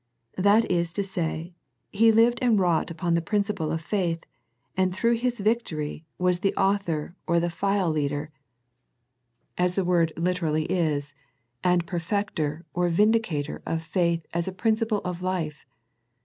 That is to say, He lived and wrought upon the principle of faith, and through His victory, was the Author or the File leader, as the word literally The Pergamum Letter 91 IS, and Perfector, or Vindicator of faith as a principle of life.